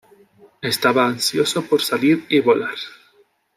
Estaba ansioso por salir y volar.